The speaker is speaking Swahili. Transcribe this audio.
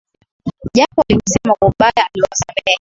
Japo walimsema kwa ubaya aliwasamehe.